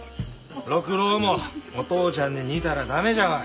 六郎もお父ちゃんに似たら駄目じゃわい。